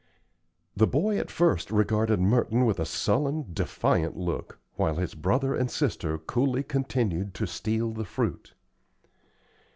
The boy at first regarded Merton with a sullen, defiant look, while his brother and sister coolly continued to steal the fruit.